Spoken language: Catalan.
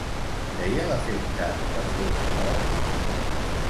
Feia l'efecte que fos or?